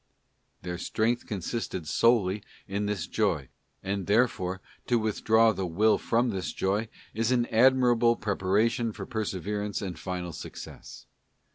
'* Their strength consisted solely in their joy, and therefore to withdraw the will from this joy is an admirable preparation for perseverance and final success.